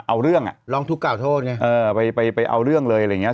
เอาเรื่องอ่ะร้องทุกข่าโทษไงเออไปไปเอาเรื่องเลยอะไรอย่างเงี้